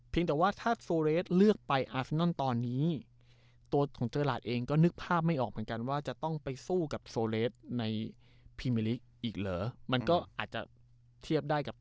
เพียงแต่ว่าถ้าโซเลสเลือกไปอาร์เซนนอนตอนนี้ตัวของเจอราชเองก็นึกภาพไม่ออกเหมือนกันว่าจะต้องไปสู้กับโซเลสใน